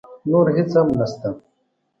نور هېڅ هم نه شته.